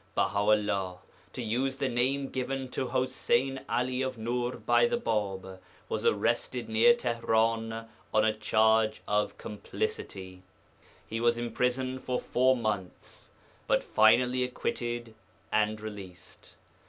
Baha 'ullah (to use the name given to Ḥuseyn 'Ali of Nūr by the Bāb) was arrested near Tihran on a charge of complicity. He was imprisoned for four months, but finally acquitted and released.